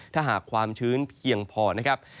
ถ้าหากความชื้นเพียงพอนะครับ